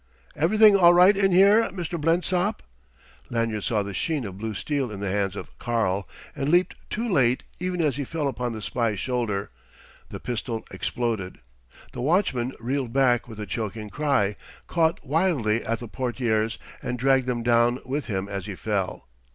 "Everything all right in here, Mr. Blensop?" Lanyard saw the sheen of blue steel in the hands of "Karl," and leaped too late: even as he fell upon the spy's shoulders, the pistol exploded. The watchman reeled back with a choking cry, caught wildly at the portières, and dragged them down with him as he fell.